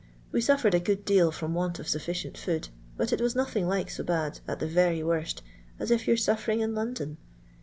We suffered a good deal from want of sufficient food ; but it was nothing like so bad, at the very wont, as if you 're suffering in London.